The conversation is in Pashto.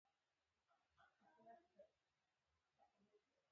دلته د پنځه افغانیو هر نوټ یوې سکې سره برابر دی